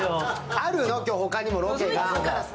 あるの、今日、ほかにもロケが。